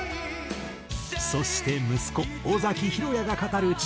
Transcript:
そして息子尾崎裕哉が語る父への思い。